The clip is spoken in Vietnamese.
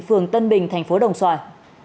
phường tân bình thành phố đồng xoài